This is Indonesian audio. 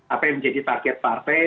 apa yang menjadi target partai